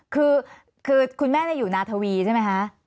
คือคุณแม่อยู่นาทวีใช่ไหมคะ